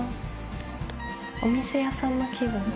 お店屋さんの気分です。